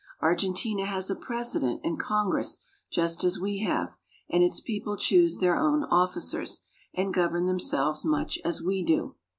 Argentina has a president and Congress just as we have, and its people choose their own officers, and govern themselves much as we do.